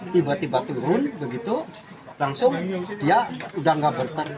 tiba tiba turun langsung dia sudah tidak bertekan